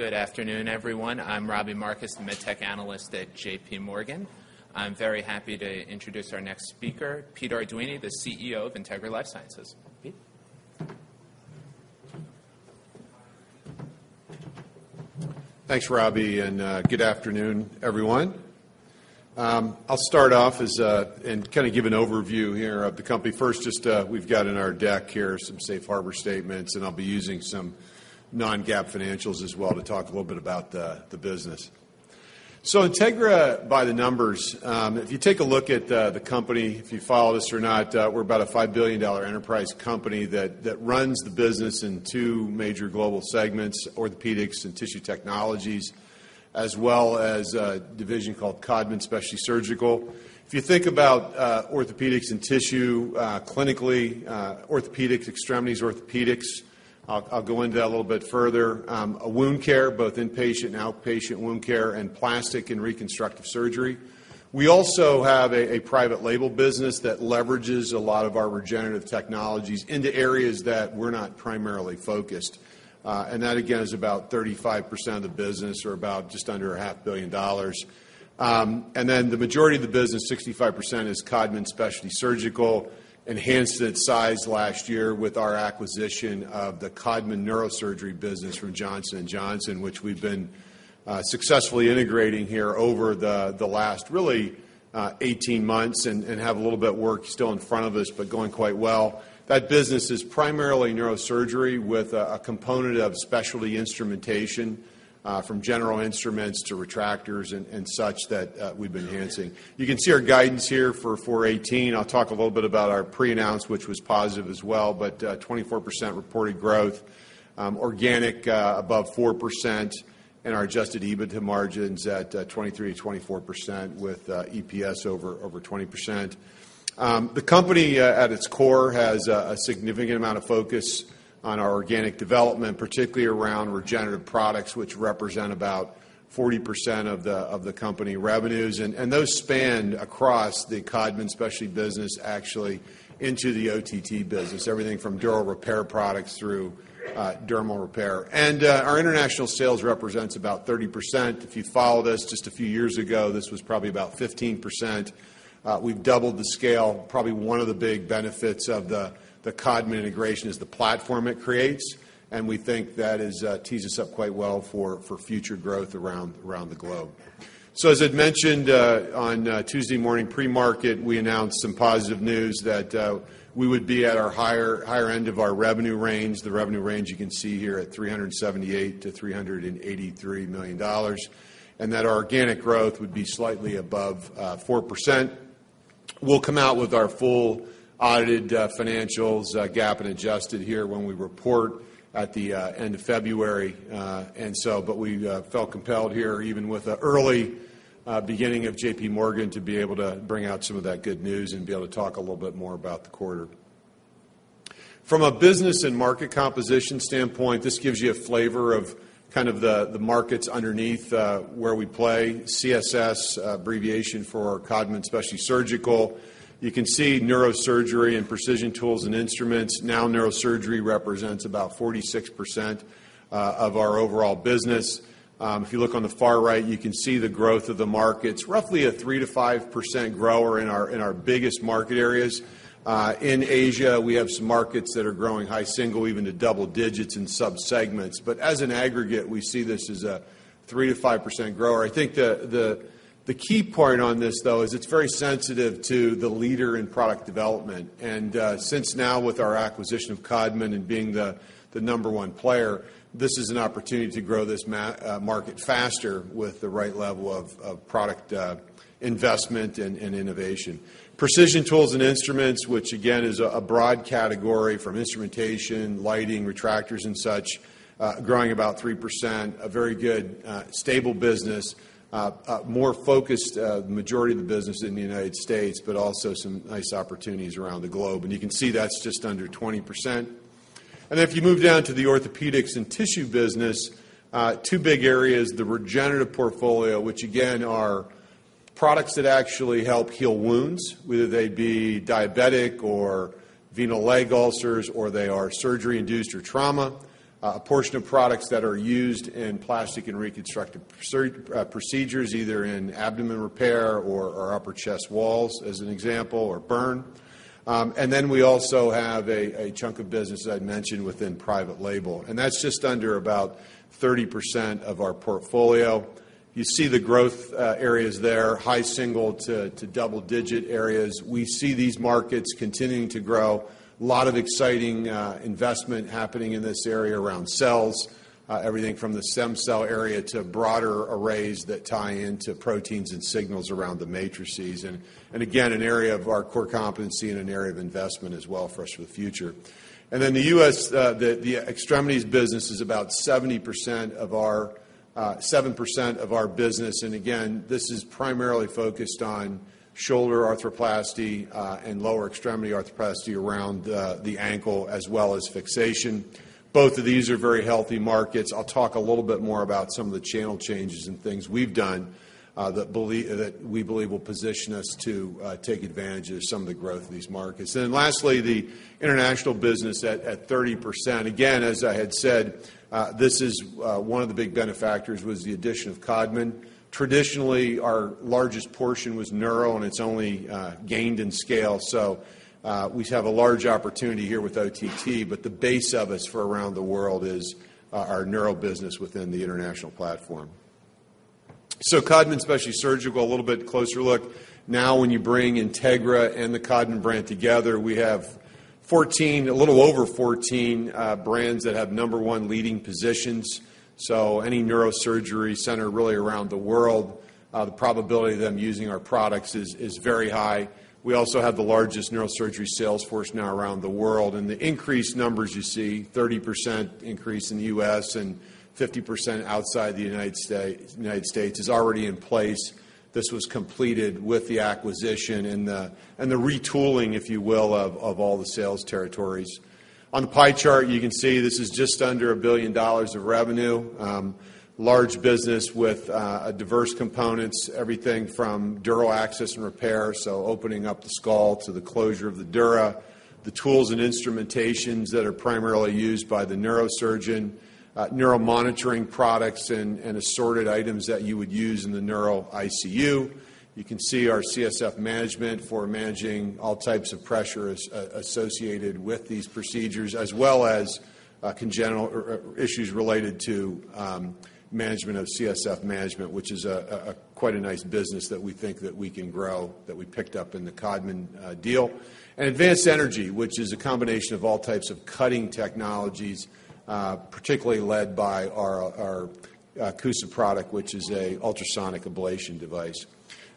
Good afternoon, everyone. I'm Robbie Marcus, the MedTech Analyst at J.P. Morgan. I'm very happy to introduce our next speaker, Peter Arduini, the CEO of Integra LifeSciences. Peter. Thanks, Robbie, and good afternoon, everyone. I'll start off and kind of give an overview here of the company. First, just we've got in our deck here some safe harbor statements, and I'll be using some non-GAAP financials as well to talk a little bit about the business. So Integra, by the numbers, if you take a look at the company, if you follow this or not, we're about a $5 billion enterprise company that runs the business in two major global segments: Orthopedics and Tissue Technologies, as well as a division called Codman Specialty Surgical. If you think about orthopedics and tissue clinically, orthopedics, extremities, orthopedics, I'll go into that a little bit further. Wound care, both inpatient and outpatient wound care, and plastic and reconstructive surgery. We also have a private label business that leverages a lot of our regenerative technologies into areas that we're not primarily focused. That, again, is about 35% of the business, or about just under $500 million. The majority of the business, 65%, is Codman Specialty Surgical, enhanced its size last year with our acquisition of the Codman Neurosurgery business from Johnson & Johnson, which we've been successfully integrating here over the last, really, 18 months and have a little bit of work still in front of us, but going quite well. That business is primarily neurosurgery with a component of specialty instrumentation, from general instruments to retractors and such that we've been enhancing. You can see our guidance here for 2018. I'll talk a little bit about our pre-announced, which was positive as well, but 24% reported growth, organic above 4%, and our adjusted EBITDA margins at 23%-24% with EPS over 20%. The company, at its core, has a significant amount of focus on our organic development, particularly around regenerative products, which represent about 40% of the company revenues, and those span across the Codman Specialty business, actually, into the OTT business, everything from dural repair products through dermal repair. Our international sales represents about 30%. If you followed us just a few years ago, this was probably about 15%. We've doubled the scale. Probably one of the big benefits of the Codman integration is the platform it creates, and we think that tees us up quite well for future growth around the globe, so as I'd mentioned on Tuesday morning, pre-market, we announced some positive news that we would be at our higher end of our revenue range, the revenue range you can see here at $378-$383 million, and that our organic growth would be slightly above 4%. We'll come out with our full audited financials, GAAP and adjusted here, when we report at the end of February, and so but we felt compelled here, even with the early beginning of J.P. Morgan, to be able to bring out some of that good news and be able to talk a little bit more about the quarter. From a business and market composition standpoint, this gives you a flavor of kind of the markets underneath where we play. CSS, abbreviation for Codman Specialty Surgical. You can see neurosurgery and precision tools and instruments. Now, neurosurgery represents about 46% of our overall business. If you look on the far right, you can see the growth of the markets, roughly a 3%-5% grower in our biggest market areas. In Asia, we have some markets that are growing high single, even to double digits in subsegments. As an aggregate, we see this as a 3%-5% grower. I think the key point on this, though, is it's very sensitive to the leader in product development. Since now, with our acquisition of Codman and being the number one player, this is an opportunity to grow this market faster with the right level of product investment and innovation. Precision tools and instruments, which, again, is a broad category from instrumentation, lighting, retractors, and such, growing about 3%, a very good, stable business, more focused, the majority of the business in the United States, but also some nice opportunities around the globe. You can see that's just under 20%. And then if you move down to the Orthopedics and Tissue business, two big areas, the regenerative portfolio, which, again, are products that actually help heal wounds, whether they be diabetic or venous leg ulcers, or they are surgery-induced or trauma, a portion of products that are used in plastic and reconstructive procedures, either in abdomen repair or upper chest walls, as an example, or burn. And then we also have a chunk of business, as I'd mentioned, within private label. And that's just under about 30% of our portfolio. You see the growth areas there, high single- to double-digit areas. We see these markets continuing to grow, a lot of exciting investment happening in this area around cells, everything from the stem cell area to broader arrays that tie into proteins and signals around the matrices. And again, an area of our core competency and an area of investment as well for us for the future. And then the extremities business is about 70% of our 7% of our business. And again, this is primarily focused on shoulder arthroplasty and lower extremity arthroplasty around the ankle, as well as fixation. Both of these are very healthy markets. I'll talk a little bit more about some of the channel changes and things we've done that we believe will position us to take advantage of some of the growth of these markets. And then lastly, the international business at 30%. Again, as I had said, this is one of the big benefactors was the addition of Codman. Traditionally, our largest portion was neuro, and it's only gained in scale. We have a large opportunity here with OTT, but the base business for us around the world is our neuro business within the international platform. Codman Specialty Surgical, a little bit closer look. Now, when you bring Integra and the Codman brand together, we have 14, a little over 14 brands that have number one leading positions. So any neurosurgery center really around the world, the probability of them using our products is very high. We also have the largest neurosurgery sales force now around the world. And the increased numbers you see, 30% increase in the U.S. and 50% outside the United States, is already in place. This was completed with the acquisition and the retooling, if you will, of all the sales territories. On the pie chart, you can see this is just under $1 billion of revenue, large business with diverse components, everything from dural access and repair, so opening up the skull to the closure of the dura, the tools and instrumentations that are primarily used by the neurosurgeon, neuromonitoring products, and assorted items that you would use in the neuro ICU. You can see our CSF management for managing all types of pressure associated with these procedures, as well as congenital issues related to management of CSF management, which is quite a nice business that we think that we can grow, that we picked up in the Codman deal, and advanced energy, which is a combination of all types of cutting technologies, particularly led by our CUSA product, which is an ultrasonic ablation device.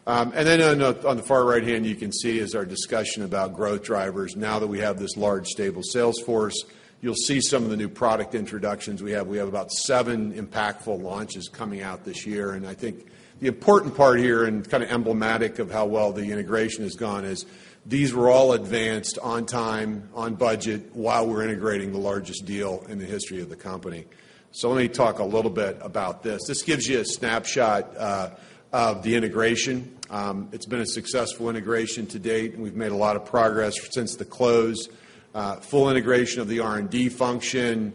And then on the far right hand, you can see is our discussion about growth drivers. Now that we have this large, stable sales force, you'll see some of the new product introductions we have. We have about seven impactful launches coming out this year. And I think the important part here and kind of emblematic of how well the integration has gone is these were all advanced on time, on budget, while we're integrating the largest deal in the history of the company. So let me talk a little bit about this. This gives you a snapshot of the integration. It's been a successful integration to date. We've made a lot of progress since the close, full integration of the R&D function,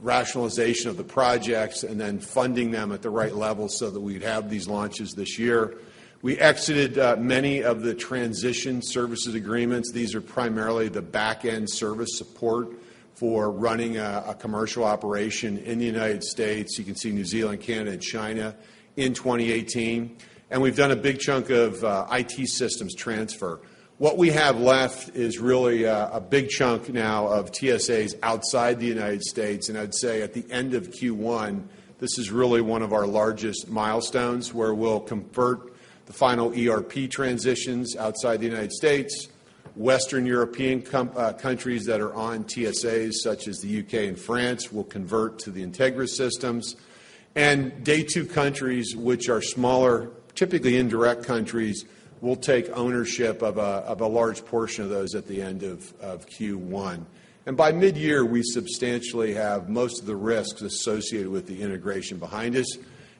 rationalization of the projects, and then funding them at the right level so that we'd have these launches this year. We exited many of the transition services agreements. These are primarily the back-end service support for running a commercial operation in the United States. You can see New Zealand, Canada, and China in 2018, and we've done a big chunk of IT systems transfer. What we have left is really a big chunk now of TSAs outside the United States, and I'd say at the end of Q1, this is really one of our largest milestones where we'll convert the final ERP transitions outside the United States. Western European countries that are on TSAs, such as the U.K. and France, will convert to the Integra systems, and day two countries, which are smaller, typically indirect countries, will take ownership of a large portion of those at the end of Q1, and by mid-year, we substantially have most of the risks associated with the integration behind us.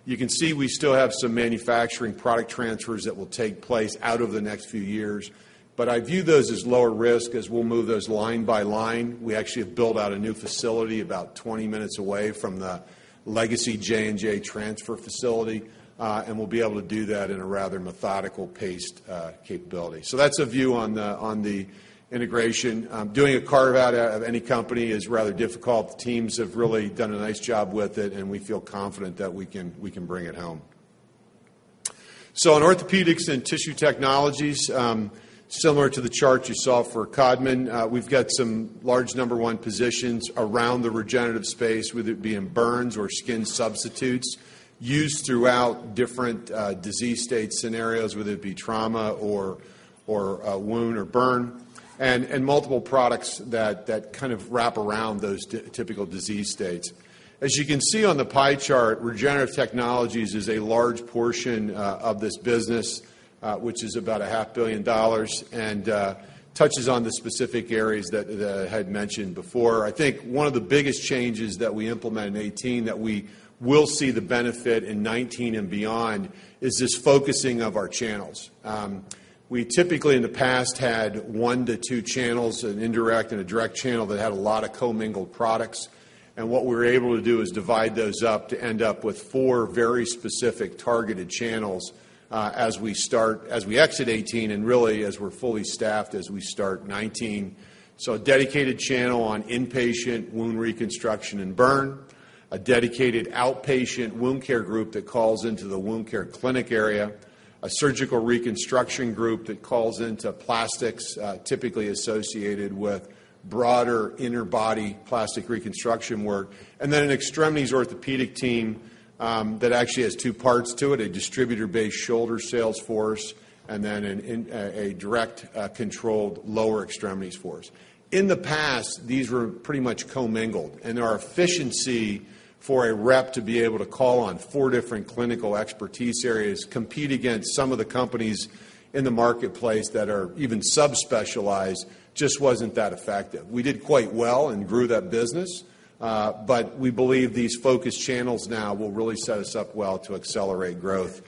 You can see we still have some manufacturing product transfers that will take place over the next few years. But I view those as lower risk as we'll move those line by line. We actually have built out a new facility about 20 minutes away from the legacy J&J transfer facility, and we'll be able to do that in a rather methodical-paced capability. So that's a view on the integration. Doing a carve-out of any company is rather difficult. The teams have really done a nice job with it, and we feel confident that we can bring it home. In Orthopedics and Tissue Technologies, similar to the chart you saw for Codman, we've got some large number one positions around the regenerative space, whether it be in burns or skin substitutes, used throughout different disease state scenarios, whether it be trauma or wound or burn, and multiple products that kind of wrap around those typical disease states. As you can see on the pie chart, regenerative technologies is a large portion of this business, which is about $500 million, and touches on the specific areas that I had mentioned before. I think one of the biggest changes that we implement in 2018 that we will see the benefit in 2019 and beyond is this focusing of our channels. We typically, in the past, had one to two channels, an indirect and a direct channel that had a lot of commingled products. And what we were able to do is divide those up to end up with four very specific targeted channels as we exit 2018 and really as we're fully staffed as we start 2019. So a dedicated channel on inpatient wound reconstruction and burn, a dedicated outpatient wound care group that calls into the wound care clinic area, a surgical reconstruction group that calls into plastics, typically associated with broader inner body plastic reconstruction work, and then an extremities orthopedic team that actually has two parts to it, a distributor-based shoulder sales force, and then a direct controlled lower extremities force. In the past, these were pretty much co-mingled. And our efficiency for a rep to be able to call on four different clinical expertise areas, compete against some of the companies in the marketplace that are even subspecialized, just wasn't that effective. We did quite well and grew that business, but we believe these focus channels now will really set us up well to accelerate growth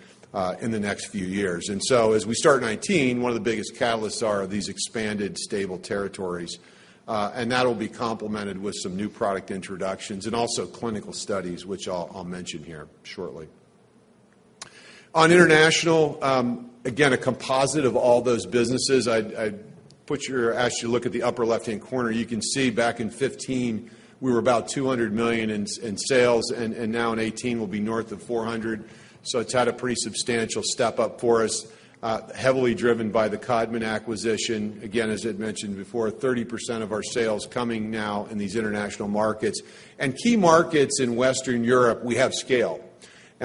in the next few years. And so as we start 2019, one of the biggest catalysts are these expanded stable territories. And that'll be complemented with some new product introductions and also clinical studies, which I'll mention here shortly. On international, again, a composite of all those businesses, I want you to look at the upper left-hand corner. You can see back in 2015, we were about $200 million in sales, and now in 2018, we'll be north of $400 million. So it's had a pretty substantial step up for us, heavily driven by the Codman acquisition. Again, as I'd mentioned before, 30% of our sales coming now in these international markets. And key markets in Western Europe, we have scale.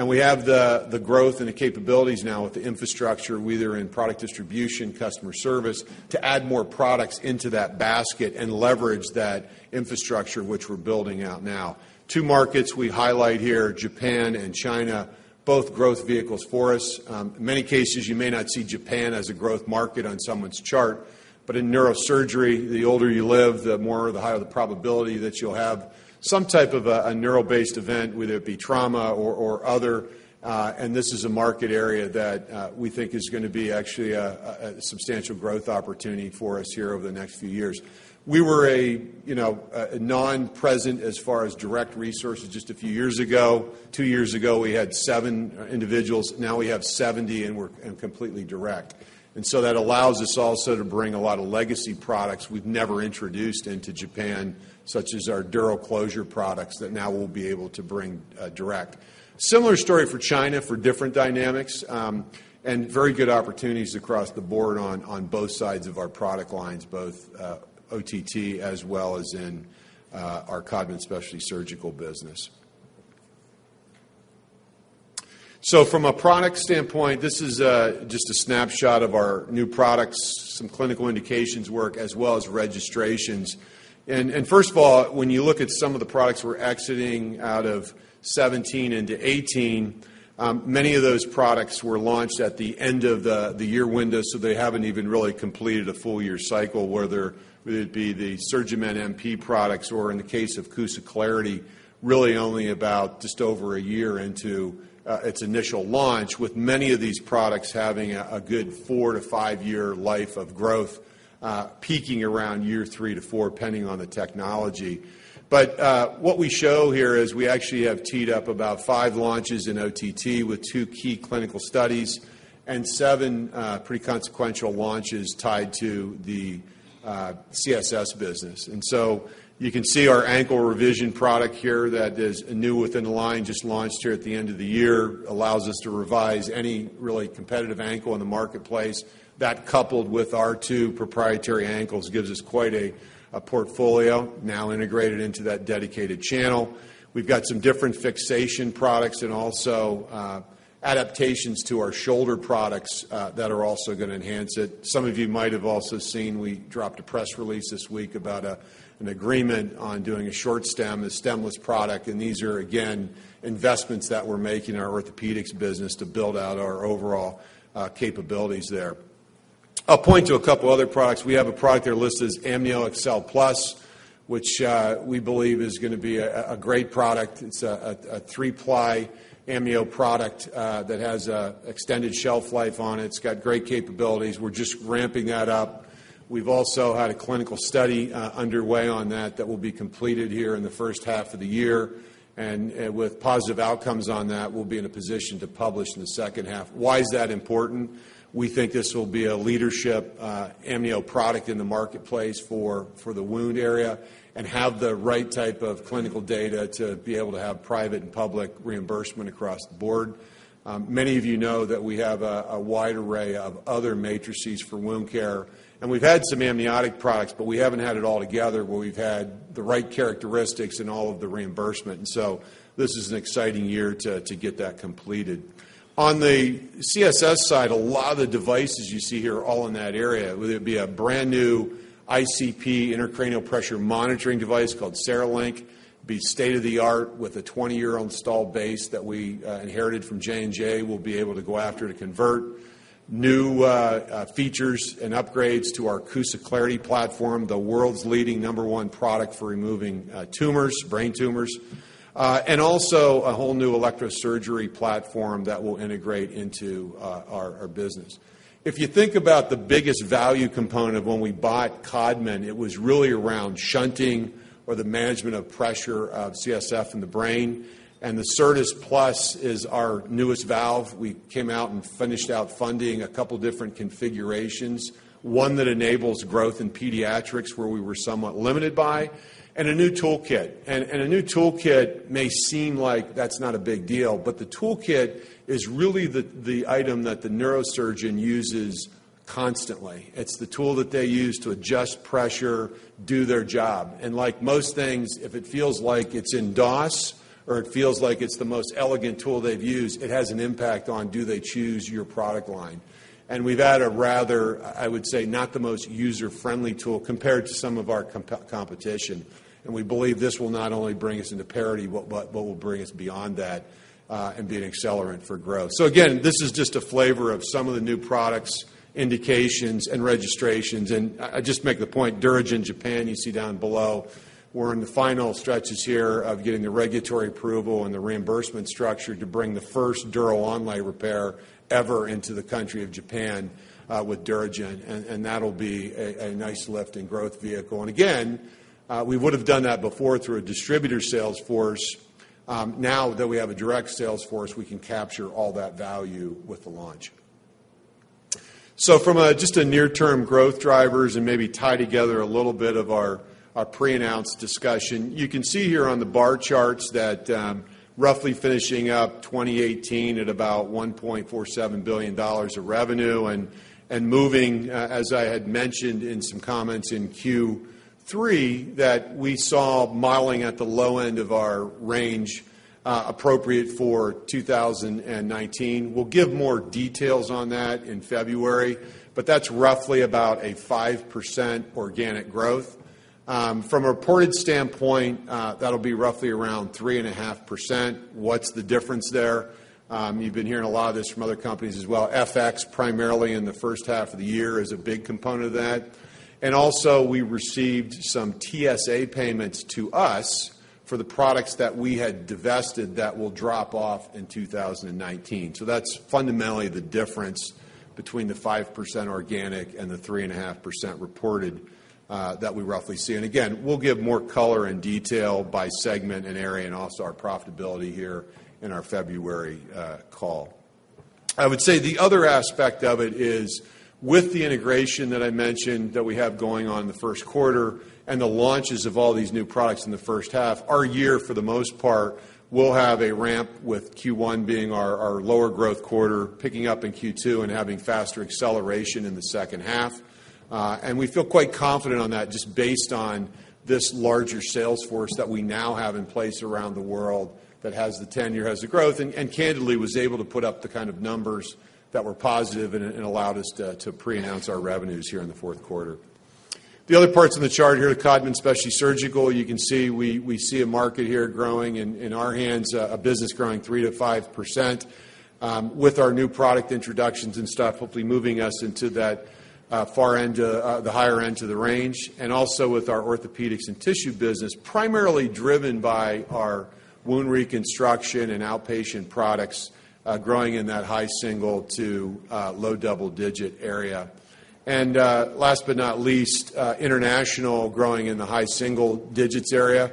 We have the growth and the capabilities now with the infrastructure, either in product distribution, customer service, to add more products into that basket and leverage that infrastructure, which we're building out now. Two markets we highlight here, Japan and China, both growth vehicles for us. In many cases, you may not see Japan as a growth market on someone's chart, but in neurosurgery, the older you live, the more the higher the probability that you'll have some type of a neuro-based event, whether it be trauma or other. And this is a market area that we think is going to be actually a substantial growth opportunity for us here over the next few years. We were not present as far as direct resources just a few years ago. Two years ago, we had seven individuals. Now we have 70, and we're completely direct. And so that allows us also to bring a lot of legacy products we've never introduced into Japan, such as our dural closure products that now we'll be able to bring direct. Similar story for China for different dynamics and very good opportunities across the board on both sides of our product lines, both OTT as well as in our Codman Specialty Surgical business. So from a product standpoint, this is just a snapshot of our new products, some clinical indications work, as well as registrations. First of all, when you look at some of the products we're exiting out of 2017 into 2018, many of those products were launched at the end of the year window, so they haven't even really completed a full year cycle, whether it be the SurgiMend MP products or in the case of CUSA Clarity, really only about just over a year into its initial launch, with many of these products having a good four-to-five-year life of growth, peaking around year three-to-four, pending on the technology. But what we show here is we actually have teed up about five launches in OTT with two key clinical studies and seven pretty consequential launches tied to the CSS business. You can see our ankle revision product here that is new within the line, just launched here at the end of the year, allows us to revise any really competitive ankle in the marketplace. That coupled with our two proprietary ankles gives us quite a portfolio now integrated into that dedicated channel. We've got some different fixation products and also adaptations to our shoulder products that are also going to enhance it. Some of you might have also seen we dropped a press release this week about an agreement on doing a short stem, a stemless product. These are, again, investments that we're making in our orthopedics business to build out our overall capabilities there. I'll point to a couple of other products. We have a product there listed as AmnioExcel Plus, which we believe is going to be a great product. It's a three-ply Amnio product that has extended shelf life on it. It's got great capabilities. We're just ramping that up. We've also had a clinical study underway on that that will be completed here in the first half of the year, and with positive outcomes on that, we'll be in a position to publish in the second half. Why is that important? We think this will be a leadership Amnio product in the marketplace for the wound area and have the right type of clinical data to be able to have private and public reimbursement across the board. Many of you know that we have a wide array of other matrices for wound care, and we've had some amniotic products, but we haven't had it all together where we've had the right characteristics and all of the reimbursement, and so this is an exciting year to get that completed. On the CSS side, a lot of the devices you see here are all in that area, whether it be a brand new ICP intracranial pressure monitoring device called CereLink, be state of the art with a 20-year-old installed base that we inherited from J&J, we'll be able to go after to convert new features and upgrades to our CUSA Clarity platform, the world's leading number one product for removing tumors, brain tumors, and also a whole new electrosurgery platform that will integrate into our business. If you think about the biggest value component of when we bought Codman, it was really around shunting or the management of pressure of CSF in the brain. The Certas Plus is our newest valve. We came out and finished out funding a couple of different configurations, one that enables growth in pediatrics where we were somewhat limited by, and a new toolkit. A new toolkit may seem like that's not a big deal, but the toolkit is really the item that the neurosurgeon uses constantly. It's the tool that they use to adjust pressure, do their job. Like most things, if it feels like it's in DOS or it feels like it's the most elegant tool they've used, it has an impact on do they choose your product line. We've had a rather, I would say, not the most user-friendly tool compared to some of our competition. We believe this will not only bring us into parity, but will bring us beyond that and be an accelerant for growth. Again, this is just a flavor of some of the new products, indications, and registrations. And I just make the point, DuraGen Japan, you see down below, we're in the final stretches here of getting the regulatory approval and the reimbursement structure to bring the first dural onlay repair ever into the country of Japan with DuraGen. And that'll be a nice lift in growth vehicle. And again, we would have done that before through a distributor sales force. Now that we have a direct sales force, we can capture all that value with the launch. So from just a near-term growth drivers and maybe tie together a little bit of our pre-announced discussion, you can see here on the bar charts that roughly finishing up 2018 at about $1.47 billion of revenue and moving, as I had mentioned in some comments in Q3, that we saw guidance at the low end of our range appropriate for 2019. We'll give more details on that in February, but that's roughly about a 5% organic growth. From a reported standpoint, that'll be roughly around 3.5%. What's the difference there? You've been hearing a lot of this from other companies as well. FX, primarily in the first half of the year, is a big component of that. And also, we received some TSA payments to us for the products that we had divested that will drop off in 2019. So that's fundamentally the difference between the 5% organic and the 3.5% reported that we roughly see. And again, we'll give more color and detail by segment and area and also our profitability here in our February call. I would say the other aspect of it is with the integration that I mentioned that we have going on in the first quarter and the launches of all these new products in the first half, our year for the most part will have a ramp with Q1 being our lower growth quarter, picking up in Q2 and having faster acceleration in the second half, and we feel quite confident on that just based on this larger sales force that we now have in place around the world that has the tenure, has the growth, and candidly was able to put up the kind of numbers that were positive and allowed us to pre-announce our revenues here in the fourth quarter. The other parts of the chart here, the Codman Specialty Surgical, you can see we see a market here growing in our hands, a business growing 3%-5% with our new product introductions and stuff, hopefully moving us into that far end, the higher end of the range, and also with our Orthopedics and Tissue business, primarily driven by our wound reconstruction and outpatient products growing in that high single- to low double-digit area, and last but not least, international growing in the high single-digits area.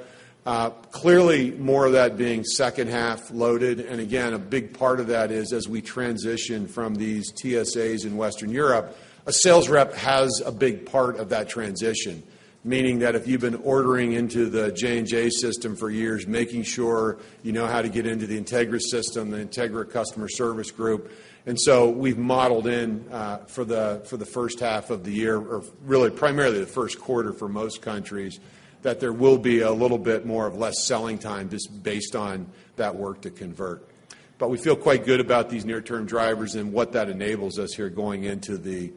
Clearly, more of that being second half loaded. And again, a big part of that is as we transition from these TSAs in Western Europe, a sales rep has a big part of that transition, meaning that if you've been ordering into the J&J system for years, making sure you know how to get into the Integra system, the Integra customer service group. And so we've modeled in for the first half of the year, or really primarily the first quarter for most countries, that there will be a little bit more or less selling time just based on that work to convert. But we feel quite good about these near-term drivers and what that enables us here going into the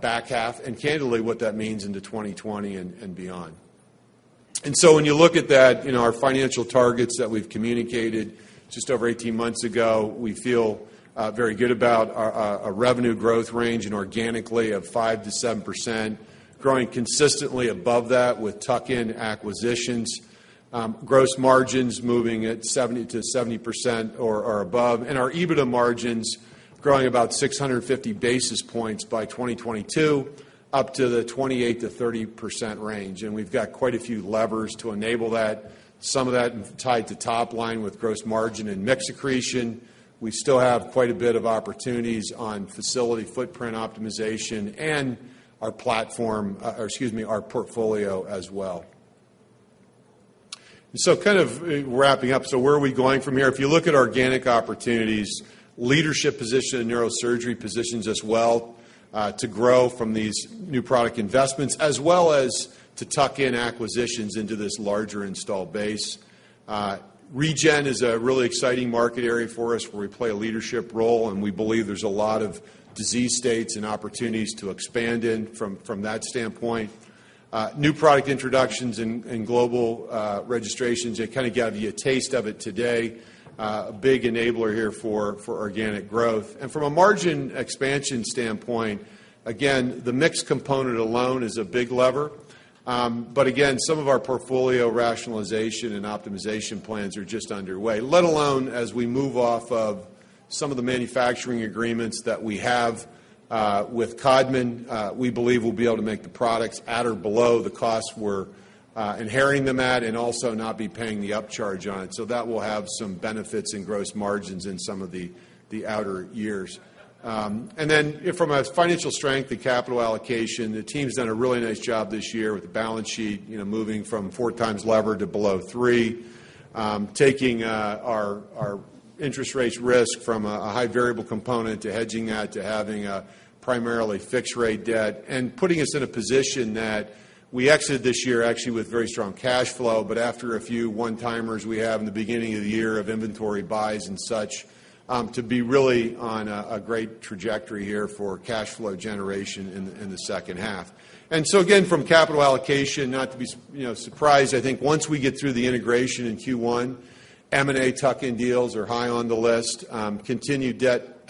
back half and candidly what that means into 2020 and beyond. And so, when you look at that, our financial targets that we've communicated just over 18 months ago, we feel very good about our revenue growth range and organically of 5%-7%, growing consistently above that with tuck-in acquisitions, gross margins moving at 70%-70% or above, and our EBITDA margins growing about 650 basis points by 2022 up to the 28%-30% range. We've got quite a few levers to enable that. Some of that tied to top line with gross margin and mix accretion. We still have quite a bit of opportunities on facility footprint optimization and our platform, or excuse me, our portfolio as well. Kind of wrapping up, where are we going from here? If you look at organic opportunities, leadership position in neurosurgery positions as well to grow from these new product investments, as well as to tuck in acquisitions into this larger install base. Regen is a really exciting market area for us where we play a leadership role, and we believe there's a lot of disease states and opportunities to expand in from that standpoint. New product introductions and global registrations, I kind of gave you a taste of it today, a big enabler here for organic growth. And from a margin expansion standpoint, again, the mix component alone is a big lever. But again, some of our portfolio rationalization and optimization plans are just underway, let alone as we move off of some of the manufacturing agreements that we have with Codman. We believe we'll be able to make the products at or below the costs we're inheriting them at and also not be paying the upcharge on it, so that will have some benefits in gross margins in some of the outer years. And then, from a financial strength, the capital allocation, the team's done a really nice job this year with the balance sheet moving from four times leverage to below three, taking our interest rate risk from a high variable component to hedging that to having a primarily fixed rate debt and putting us in a position that we exited this year actually with very strong cash flow, but after a few one-timers we have in the beginning of the year of inventory buys and such to be really on a great trajectory here for cash flow generation in the second half. And so, again, from capital allocation, not to be surprised, I think once we get through the integration in Q1, M&A tuck-in deals are high on the list, continued debt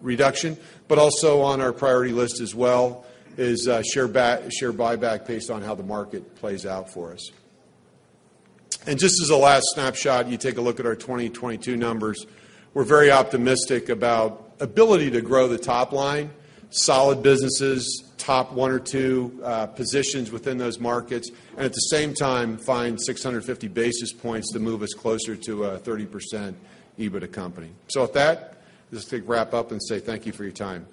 reduction, but also on our priority list as well is share buyback based on how the market plays out for us. And just as a last snapshot, you take a look at our 2022 numbers. We're very optimistic about the ability to grow the top line, solid businesses, top one or two positions within those markets, and at the same time, find 650 basis points to move us closer to a 30% EBITDA company. So with that, let's wrap up and say thank you for your time.